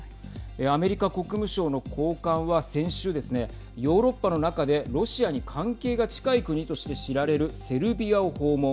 アメリカ国務省の高官は先週ですねヨーロッパの中でロシアに関係が近い国として知られるセルビアを訪問。